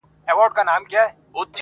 نه یوه مسته ترانه سته زه به چیري ځمه،